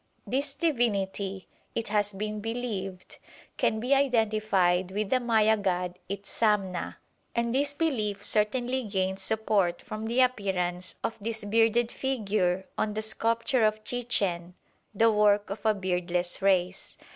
This divinity, it has been believed, can be identified with the Maya god Itzamna, and this belief certainly gains support from the appearance of this bearded figure on the sculpture of Chichen, the work of a beardless race.